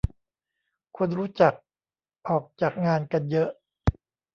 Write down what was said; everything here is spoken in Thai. คนรู้จักออกจากงานกันเยอะ